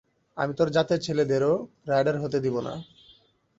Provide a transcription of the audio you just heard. আমি তোর জাতের ছেলেদেরও রাইডার হতে দিবো না।